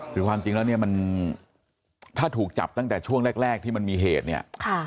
คือความจริงแล้วเนี่ยมันถ้าถูกจับตั้งแต่ช่วงแรกที่มันมีเหตุเนี่ย